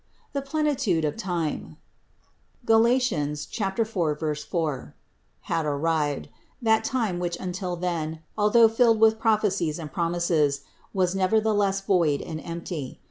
The plenitude of time (Gal. 4, 4) had arrived, that time which until then, although filled with prophecies and promises, was nevertheless void and empty.